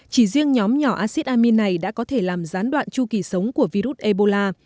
chỉ riêng nhóm nhỏ acid amin này đã có thể làm gián đoạn chu kỳ sống của virus ebola